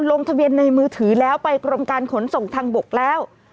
ลงทะเบียนในมือถือแล้วไปกรมการขนส่งทางบกแล้ว